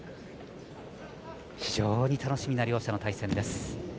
非常に楽しみな両者の対戦です。